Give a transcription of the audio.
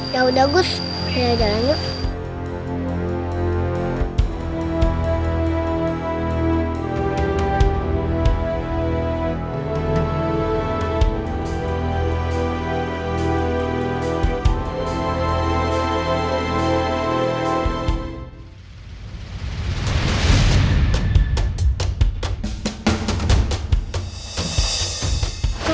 yaudah gus kita jalan yuk